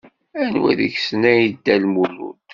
Anwa deg-sen ay n Dda Ḥemmu?